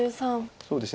そうですね。